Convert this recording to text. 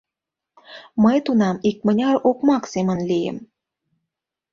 Мый тунам икмыняр окмак семын лийым.